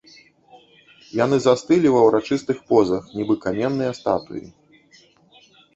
Яны застылі ва ўрачыстых позах, нібы каменныя статуі.